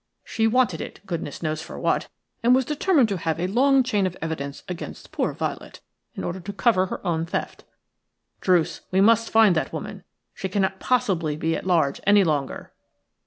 She wanted it, goodness knows for what, and was determined to have a long chain of evidence against poor Violet in order to cover her own theft. Druce, we must find that woman. She cannot possibly be at large any longer."